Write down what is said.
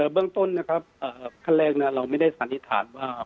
เบื้องต้นนะครับขั้นแรกเราไม่ได้สันนิษฐานว่า